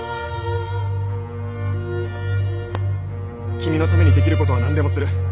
君のためにできることは何でもする